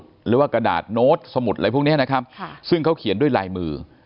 หรือว่ากระดาษโน้ตสมุดอะไรพวกนี้นะครับซึ่งเขาเขียนด้วยลายมือ